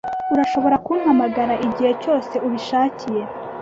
Urashobora kumpamagara igihe cyose ubishakiye.